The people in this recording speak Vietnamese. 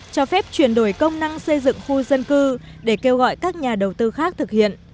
cho phép chuyển đổi công năng xây dựng khu dân cư để kêu gọi các nhà đầu tư khác thực hiện